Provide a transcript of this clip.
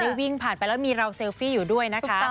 วิ่งผ่านไปแล้วมีเราเซลฟี่อยู่ด้วยนะคะ